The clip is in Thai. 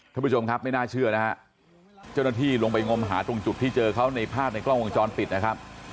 ท่านผู้ชมครับไม่น่าเชื่อนะฮะเจ้าหน้าที่ลงไปงมหาตรงจุดที่เจอเขาในภาพในกล้องวงจรปิดนะครับ